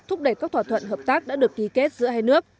thúc đẩy các thỏa thuận hợp tác đã được ký kết giữa hai nước